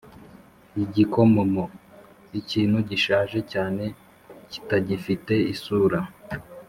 igikomomo: ikintu gishaje cyane kitagifite isura